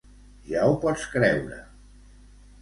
Ja ho pots creure.